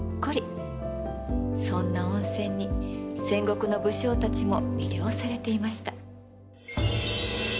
そんな温泉に戦国の武将たちも魅了されていました。